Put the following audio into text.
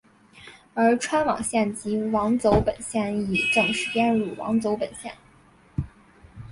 而钏网线及网走本线亦正式编入网走本线。